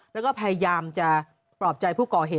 แล้วก็พยายามจะปลอบใจผู้ก่อเหตุ